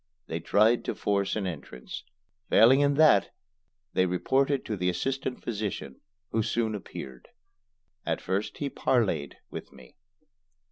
They tried to force an entrance. Failing in that, they reported to the assistant physician, who soon appeared. At first he parleyed with me.